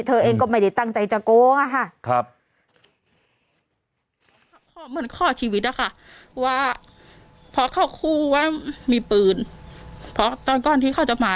เธอเองก็ไม่ได้ตั้งใจจะโกงอะค่ะ